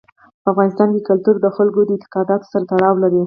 په افغانستان کې کلتور د خلکو د اعتقاداتو سره تړاو لري.